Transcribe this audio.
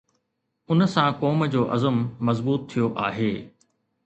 ان سان قوم جو عزم مضبوط ٿيو آهي.